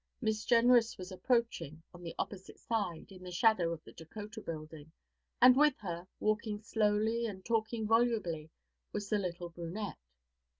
Miss Jenrys was approaching, on the opposite side, in the shadow of the Dakota Building, and with her, walking slowly and talking volubly, was the little brunette.